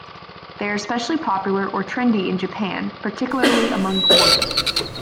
They are especially popular or trendy in Japan, particularly among women.